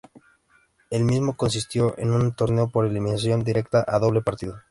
El mismo consistió en un torneo por eliminación directa a doble partido.